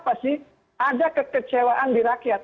apa sih ada kekecewaan di rakyat